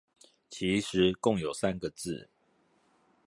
其實共有三個字